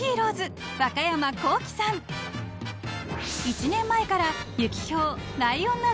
［１年前から］